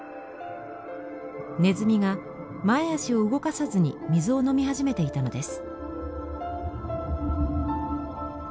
ネズミが前足を動かさずに水を飲み始めていたのです。